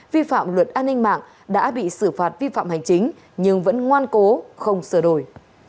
vi phạm luật an ninh mạng đã bị xử phạt vi phạm hành chính nhưng vẫn ngoan cố không sửa đổi